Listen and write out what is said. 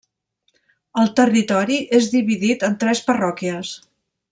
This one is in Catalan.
El territori és dividit en tres parròquies.